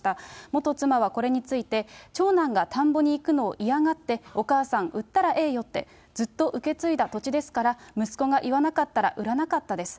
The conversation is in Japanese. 元妻はこれについて、長男が田んぼに行くのを嫌がって、お母さん、売ったらええよって、ずっと受け継いだ土地ですから、息子が言わなかったら売らなかったです。